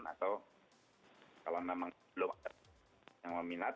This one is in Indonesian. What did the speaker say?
atau kalau memang belum ada yang meminat